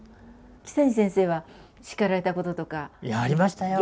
木谷先生は叱られたこととか。いやありましたよ。